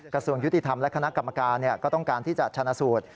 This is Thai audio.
กระทรวงยุติธรรมและคณะกรรมการก็ต้องการที่จะชนะสูตร